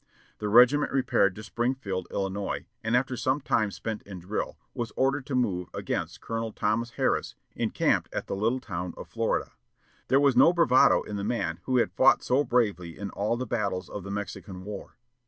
The regiment repaired to Springfield, Illinois, and, after some time spent in drill, was ordered to move against Colonel Thomas Harris, encamped at the little town of Florida. There was no bravado in the man who had fought so bravely in all the battles of the Mexican War.